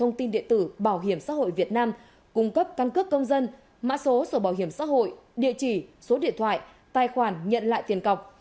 công ty điện tử bảo hiểm xã hội việt nam cung cấp căn cước công dân mã số sổ bảo hiểm xã hội địa chỉ số điện thoại tài khoản nhận lại tiền cọc